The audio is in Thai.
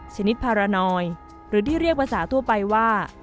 ชนิดพารานอยหรือที่เรียกภาษาทั่วไปว่า